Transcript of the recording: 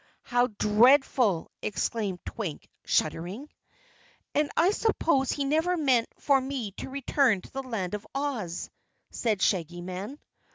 "How dreadful!" exclaimed Twink, shuddering. "And I suppose he never meant for me to return to the Land of Oz," said the Shaggy Man.